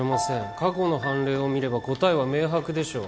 過去の判例を見れば答えは明白でしょう。